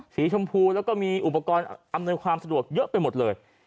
สีชมพูแล้วก็มีอุปกรณ์อำนวยความสะดวกเยอะไปหมดเลย